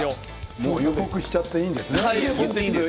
もう予告しちゃっていいんですね。